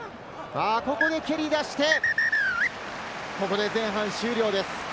ここで蹴り出して、前半終了です。